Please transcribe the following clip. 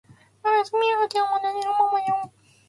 おやすみ赤ちゃんわたしがママよ